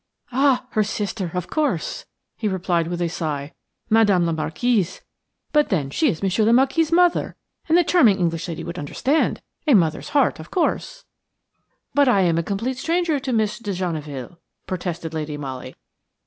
"Ah! her sister, of course," he replied with a sigh. "Madame la Marquise–but then she is Monsieur le Marquis' mother, and the charming English lady would understand–a mother's heart, of course–" "But I am a complete stranger to Miss de Genneville," protested Lady Molly.